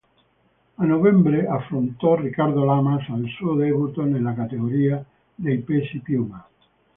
A novembre affrontò Ricardo Lamas al suo debutto nella categoria dei pesi piuma.